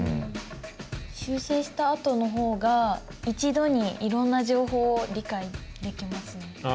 修正したあとの方が一度にいろんな情報を理解できますね。